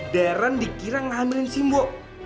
deren dikira ngehamilin simpo